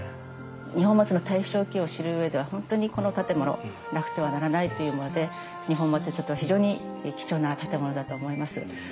二本松の大正期を知る上では本当にこの建物なくてはならないというもので二本松にとっては非常に貴重な建物だと思います。